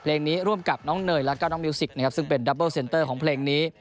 เพลงนี้ร่วมกับน้องเนยแล้วก็น้องมิวสิกนะครับซึ่งเป็นดับเบิลเซ็นเตอร์ของเพลงนี้